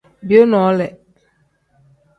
Biyee noole.